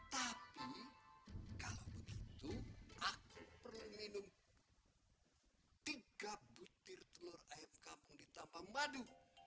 tapi kalau begitu aku perlu minum tiga butir telur ayam kampung di tambang madu